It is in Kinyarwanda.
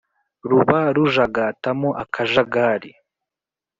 Ruba rujagatamo akajagari